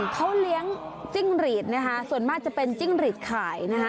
เขาเลี้ยงจิ้งหรีดนะคะส่วนมากจะเป็นจิ้งหรีดขายนะคะ